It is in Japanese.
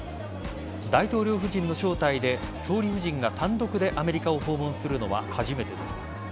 大統領夫人の招待で総理夫人が単独でアメリカを訪問するのは初めてです。